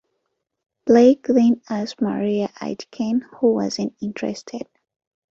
Blake then asked Maria Aitken, who wasn't interested.